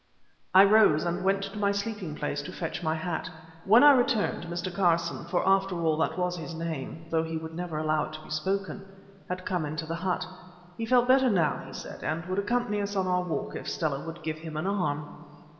I rose and went to my sleeping place to fetch my hat. When I returned, Mr. Carson—for after all that was his name, though he would never allow it to be spoken—had come into the hut. He felt better now, he said, and would accompany us on our walk if Stella would give him an arm.